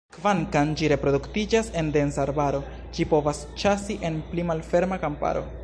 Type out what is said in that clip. Kvankam ĝi reproduktiĝas en densa arbaro, ĝi povas ĉasi en pli malferma kamparo.